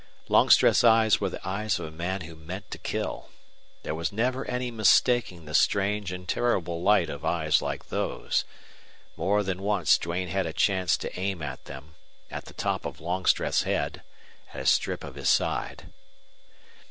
Longstreth's eyes were the eyes of a man who meant to kill. There was never any mistaking the strange and terrible light of eyes like those. More than once Duane had a chance to aim at them, at the top of Longstreth's head, at a strip of his side.